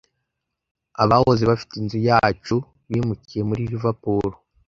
Abahoze bafite inzu yacu bimukiye muri Liverpool.